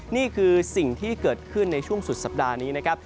นี่คือสิ่งที่เกิดขึ้นในช่วงสุดสัปดาห์นี้นะครับ